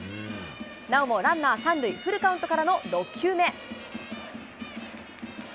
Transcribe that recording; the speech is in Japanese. なおもランナー３塁、フルカウントからの６球目。